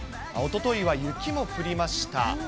おとといは雪も降りました。